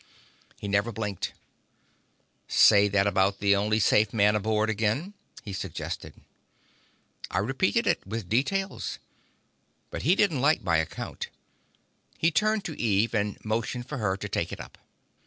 He never blinked. "Say that about the only safe man aboard again," he suggested. I repeated it, with details. But he didn't like my account. He turned to Eve, and motioned for her to take it up.